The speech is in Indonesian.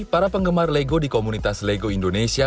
para penggemar lego di komunitas lego indonesia